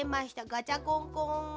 ガチャコンコン。